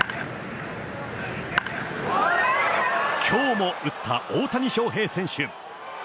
きょうも打った大谷翔平選手。